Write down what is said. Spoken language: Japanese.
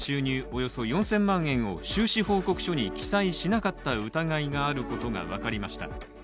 およそ４０００万円を収支報告書に記載しなかった疑いがあることが分かりました。